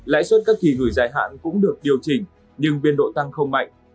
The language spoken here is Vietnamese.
lãi suất các kỳ gửi dài hạn cũng được điều chỉnh nhưng biên độ tăng không mạnh